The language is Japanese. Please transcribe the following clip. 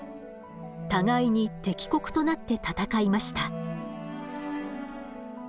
互いに敵国となって戦いました。